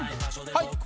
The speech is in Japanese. はい！